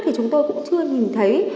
thì chúng tôi cũng chưa nhìn thấy